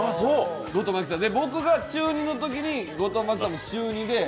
僕が中２のときに後藤真希さんも中２で。